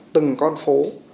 từng con phố